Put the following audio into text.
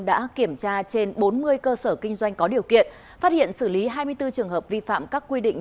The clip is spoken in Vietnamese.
đã kiểm tra trên bốn mươi cơ sở kinh doanh có điều kiện phát hiện xử lý hai mươi bốn trường hợp vi phạm các quy định